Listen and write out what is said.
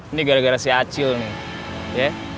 ini gara gara si acil nih